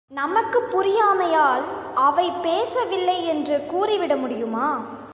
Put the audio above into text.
நமக்குப் புரியாமையால், அவை பேசவில்லை என்று கூறிவிட முடியுமா?